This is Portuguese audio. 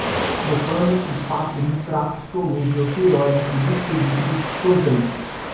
tropano, sulfato, nitrato, solúvel, pirólise, líquido-líquido, solvente